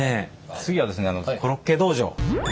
次はですねコロッケ道場。